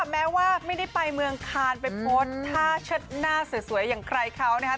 แม้ว่าไม่ได้ไปเมืองคานไปโพสต์ท่าเชิดหน้าสวยอย่างใครเขานะครับ